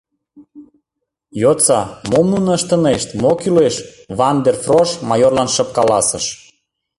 — Йодса, мом нуно ыштынешт, мо кӱлеш, — Ван дер Фрош майорлан шып каласыш.